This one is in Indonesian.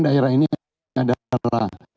daerah ini adalah